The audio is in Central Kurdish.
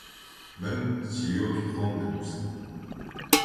من چیرۆکی خۆم دەنووسم.